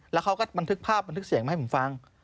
แล้วเขาก็บันทึกภาพบันทึกเสียงมาให้ผมฟัง